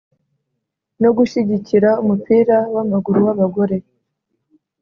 no gushyigikira umupira w’amaguru w’abagore.